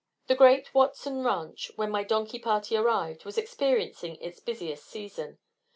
The great Watson Ranch, when my donkey party arrived, was experiencing its busiest season.